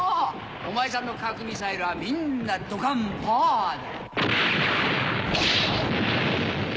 お前さんの核ミサイルはみんなドカンパアだ！